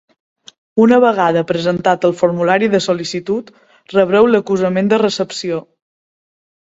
Una vegada presentat el formulari de sol·licitud, rebreu l'acusament de recepció.